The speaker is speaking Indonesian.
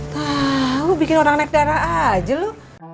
lo bikin orang naik darah aja lu